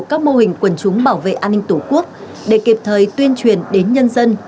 các mô hình quần chúng bảo vệ an ninh tổ quốc để kịp thời tuyên truyền đến nhân dân